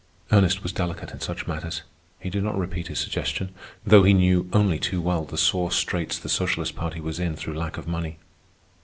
Ernest was delicate in such matters. He did not repeat his suggestion, though he knew only too well the sore straits the Socialist Party was in through lack of money.